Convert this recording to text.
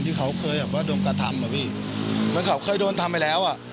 ที่เขาเคยแบบว่าโดนกระทำอ่ะพี่เหมือนเขาเคยโดนทำไปแล้วอ่ะ